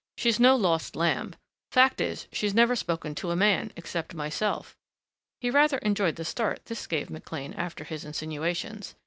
"She's no lost lamb. Fact is, she's never spoken to a man except myself." He rather enjoyed the start this gave McLean after his insinuations.